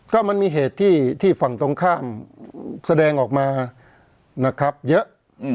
ก็มันมีเหตุที่ฝั่งตรงข้ามแสดงออกมานะครับเยอะ